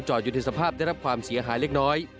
อยู่ในสภาพได้รับความเสียหายเล็กน้อย